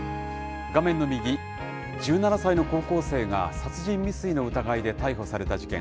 画面の右、１７歳の高校生が殺人未遂の疑いで逮捕された事件。